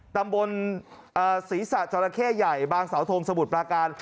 ตำบลศรีษะจราเข้ใหญ่บางสาวทงสมุทรปราการ